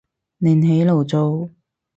另起爐灶